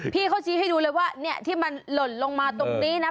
พี่เขาชี้ให้ดูเลยว่าที่มันหล่นลงมาตรงนี้นะ